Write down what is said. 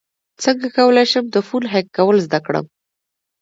څنګه کولی شم د فون هک کول زده کړم